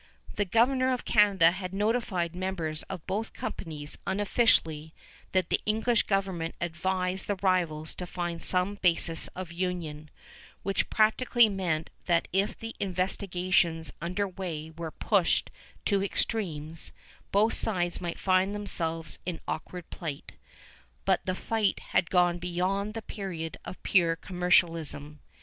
The Governor of Canada had notified members of both companies unofficially that the English government advised the rivals to find some basis of union, which practically meant that if the investigations under way were pushed to extremes, both sides might find themselves in awkward plight; but the fight had gone beyond the period of pure commercialism.